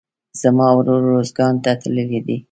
زما ورور روزګان ته تللى دئ.